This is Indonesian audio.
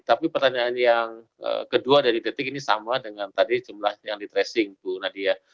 tapi pertanyaan yang kedua dari detik ini sama dengan tadi jumlah yang di tracing bu nadia